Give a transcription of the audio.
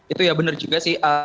itu ya benar juga sih